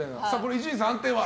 伊集院さん、判定は？